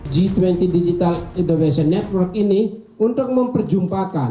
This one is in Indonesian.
g dua puluh digital innovation network ini untuk memperjumpakan